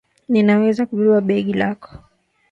Ninaweza kubeba begi lako